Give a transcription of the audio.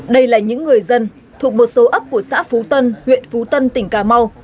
đây là những người dân thuộc một số ấp của xã phú tân huyện phú tân tỉnh cà mau